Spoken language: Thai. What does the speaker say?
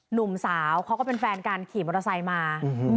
หนุ่มสาวเขาก็เป็นแฟนกันขี่มอเตอร์ไซค์มา